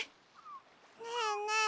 ねえねえ